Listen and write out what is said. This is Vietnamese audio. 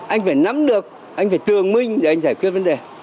anh phải nắm được anh phải tường minh để anh giải quyết vấn đề